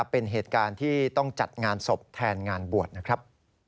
เป็นเหตุการณ์ที่ต้องจัดงานศพแทนงานบวชนะครับ